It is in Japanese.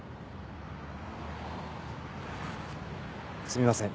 すみません